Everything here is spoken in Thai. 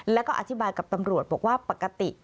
แล้วก็อธิบายกับตำรวจบอกว่าปกติ